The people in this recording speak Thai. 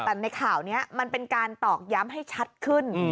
แต่ในข่าวนี้มันเป็นการตอกย้ำให้ชัดขึ้น